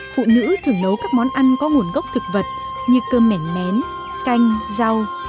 phụ nữ thường nấu các món ăn có nguồn gốc thực vật như cơm mẻ mén canh rau